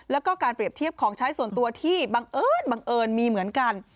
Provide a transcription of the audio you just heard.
แล้วก็การเปรียบเทียบของใช้ส่วนตัวที่บังเอิญบังเอิญมีเหมือนกัน